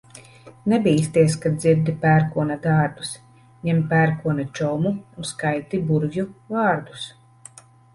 Nebīsties, kad dzirdi pērkona dārdus, ņem pērkona čomu un skaiti burvju vārdus.